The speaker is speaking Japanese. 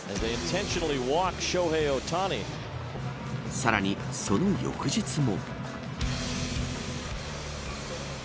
さらに、その翌日も。